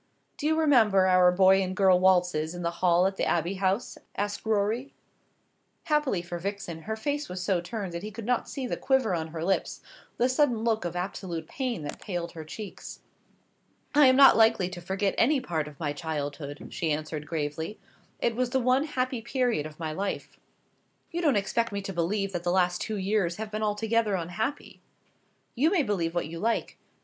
"Do you remember our boy and girl waltzes in the hall at the Abbey House?" asked Rorie. Happily for Vixen her face was so turned that he could not see the quiver on her lips, the sudden look of absolute pain that paled her cheeks. "I am not likely to forget any part of my childhood," she answered gravely. "It was the one happy period of my life." "You don't expect me to believe that the last two years have been altogether unhappy." "You may believe what you like.